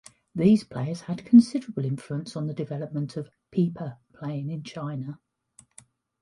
These players had considerable influence on the development of "pipa" playing in China.